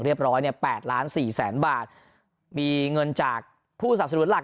เรียบร้อยเนี่ย๘ล้านสี่แสนบาทมีเงินจากผู้สับสนุนหลัก